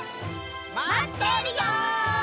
まってるよ！